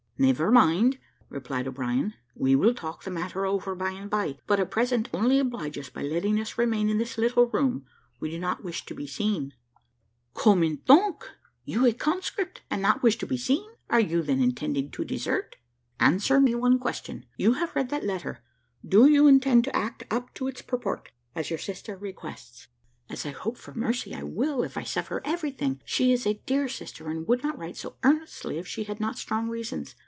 "Never mind," replied O'Brien, "we will talk the matter over by and by, but at present only oblige us by letting us remain in this little room; we do not wish to be seen." "Comment donc! you a conscript, and not wish to be seen! Are you, then, intending to desert?" "Answer me one question; you have read that letter, do you intend to act up to its purport, as your sister requests?" "As I hope for mercy I will, if I suffer everything. She is a dear sister, and would not write so earnestly if she had not strong reasons.